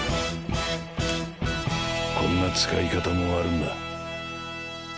こんな使い方もあるんだ。